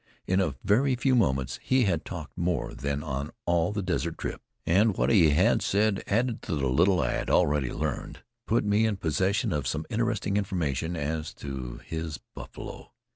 In a very few moments he had talked more than on all the desert trip, and what he said, added to the little I had already learned, put me in possession of some interesting information as to his buffalo.